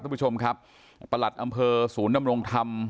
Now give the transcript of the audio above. ท่านผู้ชมครับประหลัดอำเภอศูนนำรงค์ธรรม